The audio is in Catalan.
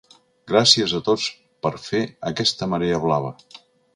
'Gràcies a tots per fer aquesta marea blava!'.